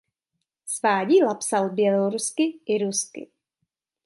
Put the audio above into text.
Svá díla psal bělorusky i rusky.